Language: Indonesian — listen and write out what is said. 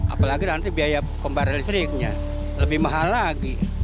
apalagi nanti biaya pembara listriknya lebih mahal lagi